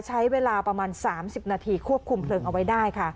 ใช้เวลาประมาณ๓๐นาทีควบคุมเพลิงเอาไว้ได้ค่ะ